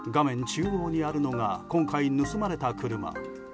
中央にあるのが今回盗まれた車。